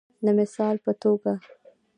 د مثال په توګه